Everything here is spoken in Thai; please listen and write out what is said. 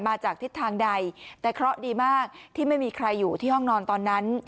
มาจากทิศทางใดแต่เคราะห์ดีมากที่ไม่มีใครอยู่ที่ห้องนอนตอนนั้น